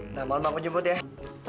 nah malam aku jemput ya